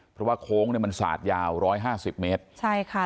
เพราะว่าโค้งเนี่ยมันสาดยาว๑๕๐มกใช่ค่ะ